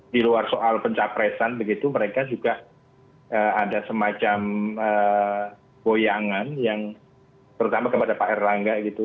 di luar soal pencapresan begitu mereka juga ada semacam goyangan yang terutama kepada pak erlangga gitu